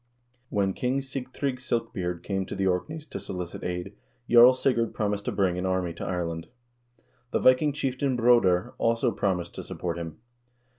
When King Sigtrygg Silkbeard came to the Orkneys to solicit aid, Jarl Sigurd promised to bring an army to Ireland. The Viking chieftain Broder also promised to support him.